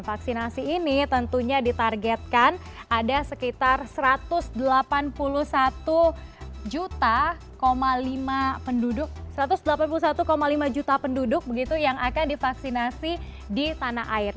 vaksinasi ini tentunya ditargetkan ada sekitar satu ratus delapan puluh satu lima juta penduduk yang akan divaksinasi di tanah air